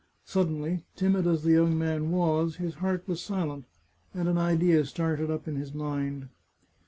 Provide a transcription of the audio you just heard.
Suddenly, timid as the young man was, his heart was silent, and an idea started up in his mind.